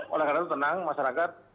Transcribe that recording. oleh karena itu tenang masyarakat